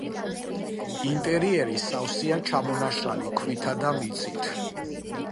ინტერიერი სავსეა ჩამონაშალი ქვითა და მიწით.